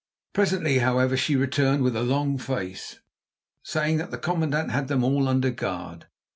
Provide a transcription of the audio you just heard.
Presently, however, she returned with a long face, saying that the commandant had them all under guard.